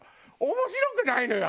面白くないのよ